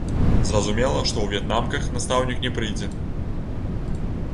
Зразумела, што ў в'етнамках настаўнік не прыйдзе.